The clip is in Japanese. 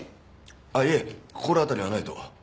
いえ心当たりはないと。